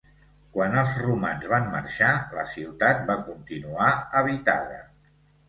Quan els romans van marxar, la ciutat va continuar habitada.